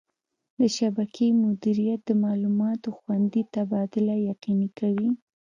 د شبکې مدیریت د معلوماتو خوندي تبادله یقیني کوي.